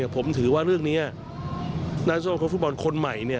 ผมถือว่าเรื่องนี้นักยกษมณาของฟุตบอลคนใหม่